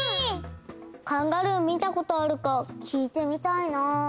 カンガルー見たことあるか聞いてみたいな。